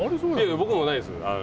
僕もないです。